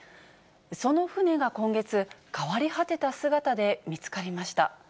その船が今月、変わり果てた姿で見つかりました。